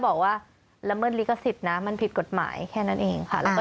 บอกว่าละเมิดลิขสิทธิ์นะมันผิดกฎหมายแค่นั้นเองค่ะแล้วก็